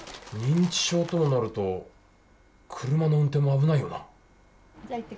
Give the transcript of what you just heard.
認知症ともなると車の運転も危ないよな。